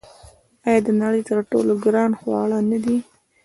آیا دا د نړۍ تر ټولو ګران خواړه نه دي؟